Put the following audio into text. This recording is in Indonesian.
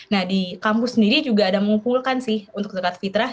nah di kampus sendiri juga ada mengumpulkan sih untuk zakat fitrah